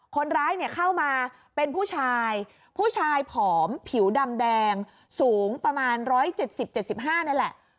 คนร้ายเนี่ยเข้ามาเป็นผู้ชายผู้ชายผอมผิวดำแดงสูงประมาณ๑๗๐๗๕นี่แหละ